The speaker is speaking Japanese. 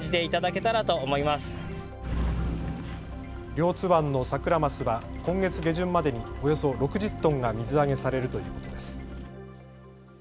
両津湾のサクラマスは今月下旬までにおよそ６０トンが水揚げされるということです。